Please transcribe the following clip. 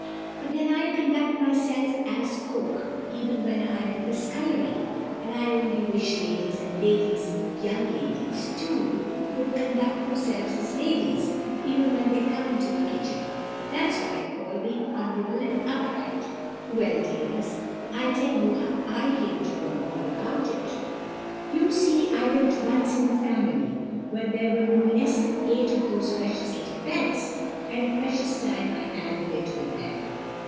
But then I conduct myself as Cook, even when I'm in the scullery, and I only wish ladies, and ladies' young ladies too, would conduct themselves as ladies, even when they come into the kitchen; that's what I call being honourable and upright. Well, dears, I'll tell you how I came to know all about it. You see, I lived once in a family where there were no less than eight of those precious little pets, and a precious time I had of it with them.